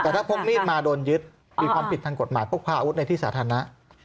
เมื่อพกมีดมาโดนยึดมีความผิดทางกฎหมายพกพลาอาุทในที่สถานะ